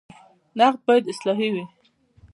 نقد باید اصلاحي وي